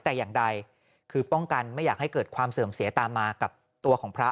แต่อย่างใดคือป้องกันไม่อยากให้เกิดความเสื่อมเสียตามมากับตัวของพระ